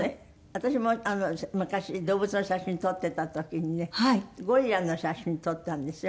私も昔動物の写真撮っていた時にねゴリラの写真撮ったんですよ。